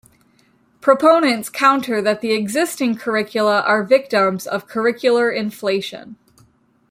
Proponents counter that the existing curricula are victims of 'curricular inflation'.